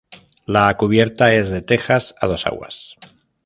La cubierta es de tejas a dos aguas.